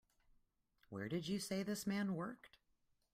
Where did you say this man worked?